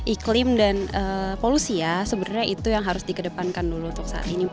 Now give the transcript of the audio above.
iklim dan polusi ya sebenarnya itu yang harus dikedepankan dulu untuk saat ini